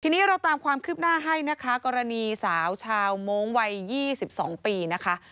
ทีนี้เราตามความคืบหน้าให้นะคะกรณีสาวชาวโม้งวัย๒๒ปีนะคะ